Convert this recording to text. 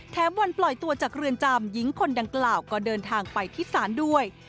วันปล่อยตัวจากเรือนจำหญิงคนดังกล่าวก็เดินทางไปที่ศาลด้วย